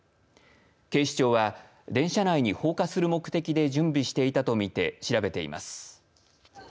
警視庁は電車内に放火する目的で準備していたとみて調べています。